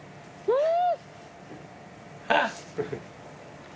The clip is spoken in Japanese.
うん。